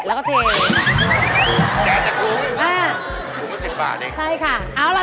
แพ้ร้องแพ้